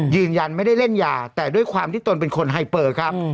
ยืนยันไม่ได้เล่นยาแต่ด้วยความที่ตนเป็นคนไฮเปอร์ครับ